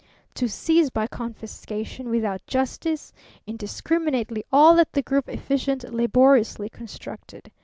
"To seize by confiscation, without justice, indiscriminately all that the group efficient laboriously constructed.